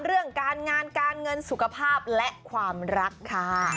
เรื่องการงานการเงินสุขภาพและความรักค่ะ